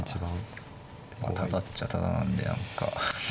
まあタダっちゃタダなんで何か。